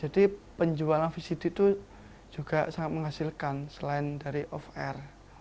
jadi penjualan vcd itu juga sangat menghasilkan selain dari off air